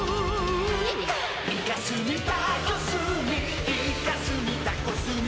「イカスミ・タコスミ・イカスミ・タコスミ」